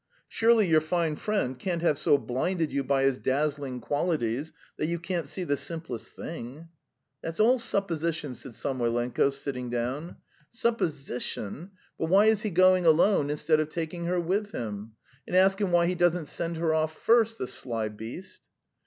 Surely your fine friend can't have so blinded you by his dazzling qualities that you can't see the simplest thing?" "That's all supposition," said Samoylenko, sitting down. "Supposition? But why is he going alone instead of taking her with him? And ask him why he doesn't send her off first. The sly beast!"